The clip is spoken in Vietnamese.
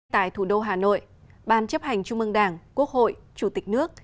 tại thủ đô hà nội ban chấp hành trung mương đảng quốc hội chủ tịch nước